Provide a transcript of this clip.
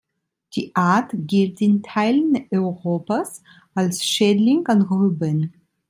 Die Art gilt in Teilen Europas als Schädling an Rüben.